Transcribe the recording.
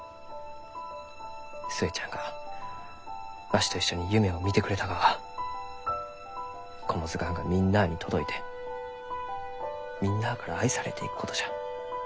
寿恵ちゃんがわしと一緒に夢をみてくれたがはこの図鑑がみんなあに届いてみんなあから愛されていくことじゃ。